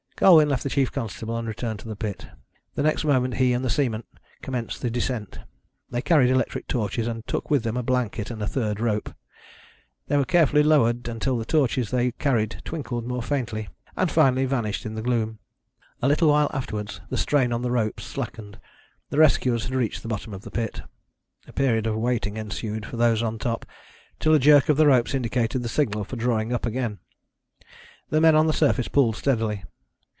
Colwyn left the chief constable and returned to the pit. The next moment he and the seaman commenced the descent. They carried electric torches, and took with them a blanket and a third rope. They were carefully lowered until the torches they carried twinkled more faintly, and finally vanished in the gloom. A little while afterwards the strain on the ropes slackened. The rescuers had reached the bottom of the pit. A period of waiting ensued for those on top, until a jerk of the ropes indicated the signal for drawing up again. The men on the surface pulled steadily.